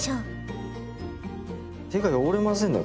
手が汚れませんね